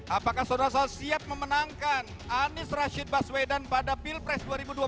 apakah saudara saudara siap memenangkan anies rashid baswedan pada pilpres dua ribu dua puluh